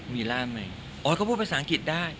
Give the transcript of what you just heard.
มีล่านแม่อ่ะโอเคก็พูดภาษาอังกฤษได้